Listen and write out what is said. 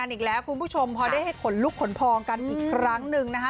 อีกแล้วคุณผู้ชมพอได้ให้ขนลุกขนพองกันอีกครั้งหนึ่งนะคะ